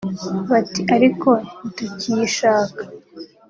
bati ariko ntitukiyishaka